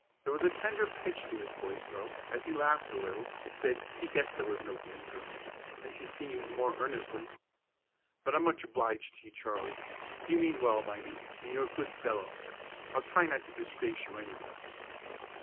There was a tender pitch to his voice though, as he laughed a little, said he guessed there was no danger, and continued, more earnestly: "But I'm much obliged to you, Charley; you mean well by me, and you're a good fellow. I'll try not to disgrace you anyway."